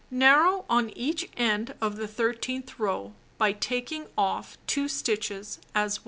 Narrow on each end of the thirteenth row by taking off 2 stitches as 1.